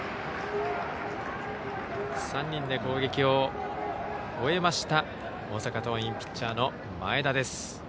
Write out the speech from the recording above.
３人で攻撃を終えました大阪桐蔭ピッチャーの前田です。